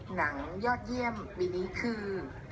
หนังยอดเยี่ยมปีนี้คือ